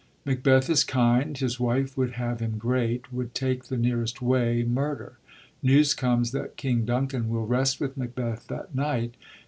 Macbeth is kind; his wife would have him great, would take the nearest way, — mui der. News comes that King Duncan will l«st with Macbeth that night.